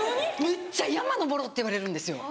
めっちゃ「山登ろう」って言われるんですよ。